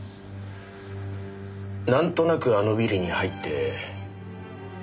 なんとなくあのビルに入ってなんとなく。